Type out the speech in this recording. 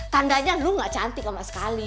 tandanya lu gak cantik sama sekali